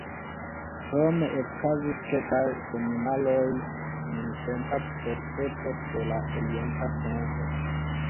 Krome okazis kelkaj seminarioj "Nuntempa percepto de la orienta penso".